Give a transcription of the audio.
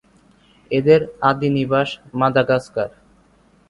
এদের আদি নিবাস মাদাগাস্কার।